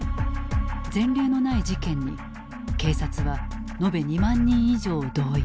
前例のない事件に警察は延べ２万人以上を動員。